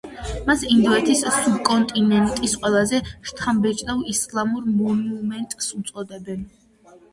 მას ინდოეთის სუბკონტინენტის ყველაზე შთამბეჭდავ ისლამურ მონუმენტს უწოდებენ.